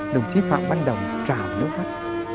đồng chí phạm banh đồng trào nước mắt